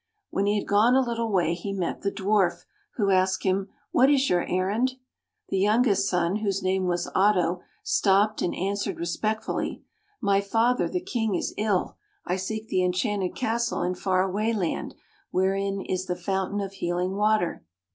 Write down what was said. When he had gone a little way, he met the Dwarf, who asked him, " What is your errand? " The youngest son, whose name was Otto, stopped and answered respectfully, " My father, the King, is ill. I seek the enchanted castle in Far Away Land, wherein is the fountain of healing water."